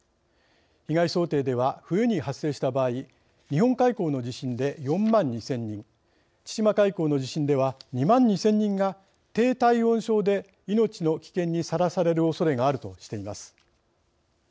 被害想定では冬に発生した場合日本海溝の地震で４万２０００人千島海溝の地震では２万２０００人が低体温症で命の危険にさらされる恐れがあるとしています。